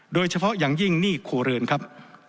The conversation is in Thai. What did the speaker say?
โดยเฉพาะอย่างยิ่งหนี้ครัวเรือนครับ